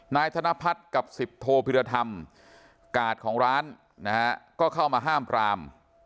นายธนพัฒน์กับสิบโทพิรธรรมกาดของร้านนะฮะก็เข้ามาห้ามปราม